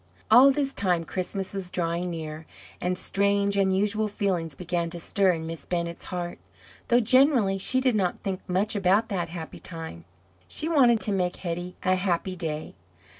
All this time Christmas was drawing near, and strange, unusual feelings began to stir in Miss Bennett's heart, though generally she did not think much about that happy time. She wanted to make Hetty a happy day.